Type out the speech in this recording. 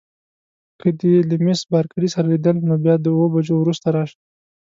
که دې له میس بارکلي سره لیدل نو بیا د اوو بجو وروسته راشه.